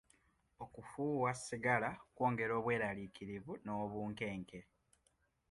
Okufuuwa sigala kwongera obweraliikirivu n'obunkenke.